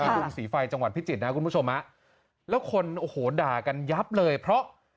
รุงศรีไฟจังหวัดพิจิตรนะคุณผู้ชมฮะแล้วคนโอ้โหด่ากันยับเลยเพราะ